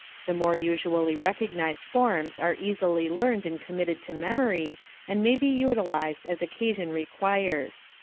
The more usually recognized forms are easily learned and committed to memory and may be utilized as occasion requires.